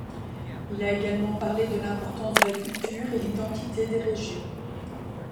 Il a également parlé de l'importance de la culture et l'identité des régions.